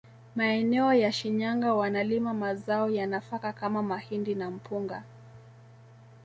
Maeneo ya Shinyanga wanalima mazao ya nafaka kama mahindi na mpunga